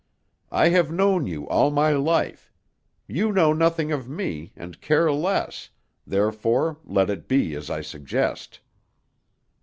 I have known you all my life; you know nothing of me, and care less, therefore let it be as I suggest."